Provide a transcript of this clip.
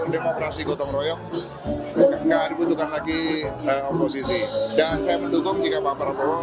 demokrasi gotong royong enggak dibutuhkan lagi oposisi dan saya mendukung jika pak prabowo